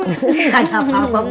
gak ada apa apa bu